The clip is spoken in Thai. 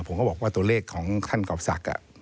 ผมก็บอกว่าตัวเลขของท่านกรอบศักดิ์